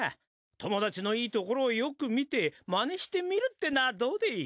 友達のいいところをよく見てマネしてみるってのはどうでい？